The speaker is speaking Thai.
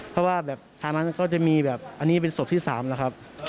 เพราะว่าแบบทางนั้นก็จะมีแบบอันนี้เป็นศพที่๓แล้วครับ